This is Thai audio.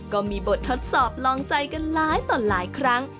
ก็มีบททดสอบลองใจกันหลายต่อหลายครั้ง